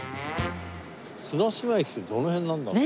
綱島駅ってどの辺なんだろうね。